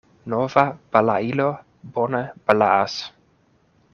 Nova balailo bone balaas.